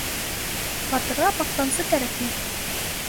Батырға баҡтансы кәрәкмәй.